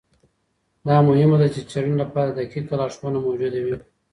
دا مهمه ده چي د څېړنې لپاره دقیقه لارښوونه موجوده وي.